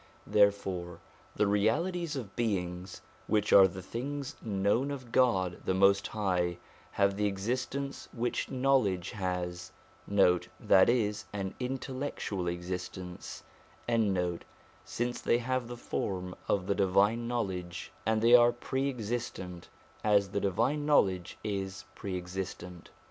Therefore the realities of beings, which are the things known of God the Most High, have the existence which knowledge has, 1 since they have the form of the Divine Knowledge, and they are pre existent, as the Divine Knowledge is pre existent.